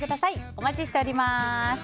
お待ちしております。